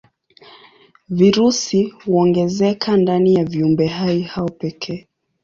Virusi huongezeka ndani ya viumbehai hao pekee.